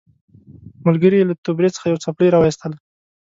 ملګري یې له توبرې څخه یوه څپلۍ راوایستله.